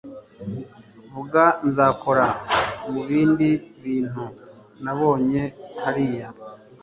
Vuga nzakora mubindi bintu nabonye hariya